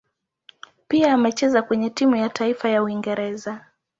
Pia amecheza kwenye timu ya taifa ya Uingereza.